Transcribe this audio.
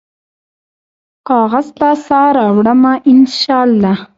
کاغذ ته سا راوړمه ، ان شا الله